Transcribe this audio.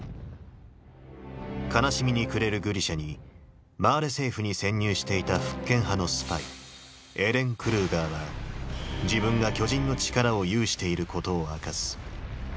悲しみに暮れるグリシャにマーレ政府に潜入していた復権派のスパイエレン・クルーガーは自分が巨人の力を有していることを明かす。